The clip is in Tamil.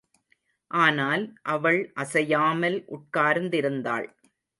ஆனால், அவள் அசையாமல் உட்கார்ந்திருந்தாள்.